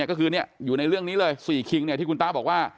ก็คืออยู่ในเรื่องนี้เลย๔คิงที่คุณตาบอกว่า